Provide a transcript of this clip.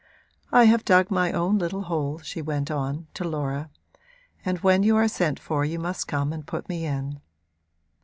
I have dug my own little hole,' she went on, to Laura, 'and when you are sent for you must come and put me in.'